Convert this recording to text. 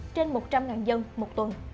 trên một trăm linh dân một tuần